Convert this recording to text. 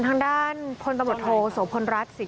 ผมยังอยากรู้ว่าว่ามันไล่ยิงคนทำไมวะ